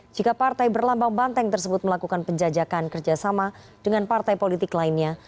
jika partai berlambang banteng tersebut melakukan penjajakan kerjasama dengan partai politik lainnya